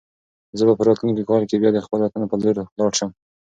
زه به په راتلونکي کال کې بیا د خپل وطن په لور لاړ شم.